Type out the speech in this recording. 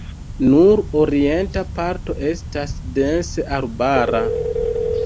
Nur orienta parto estas dense arbara.